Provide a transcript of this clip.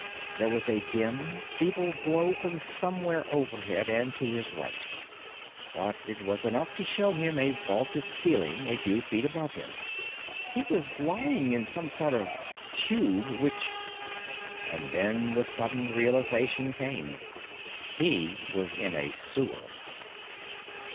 There was a dim, feeble glow from somewhere overhead and to his right, but it was enough to show him a vaulted ceiling a few feet above him. He was lying in some sort of tube which And then the sudden realization came. He was in a sewer.